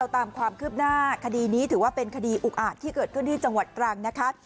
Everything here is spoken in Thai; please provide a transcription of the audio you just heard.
ตามความคืบหน้าคดีนี้ถือว่าเป็นคดีอุกอาจที่เกิดขึ้นที่จังหวัดตรังนะคะ